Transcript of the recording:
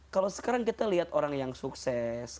kalau sekarang kita lihat orang yang sukses